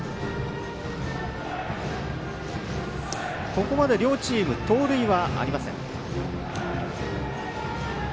ここまで両チーム盗塁はありません。